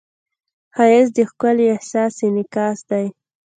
ښایست د ښکلي احساس انعکاس دی